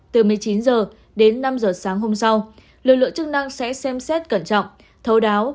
từ một mươi chín h đến năm h sáng hôm sau lực lượng chức năng sẽ xem xét cẩn trọng thấu đáo